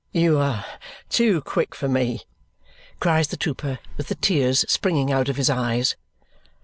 "You are too quick for me!" cries the trooper with the tears springing out of his eyes.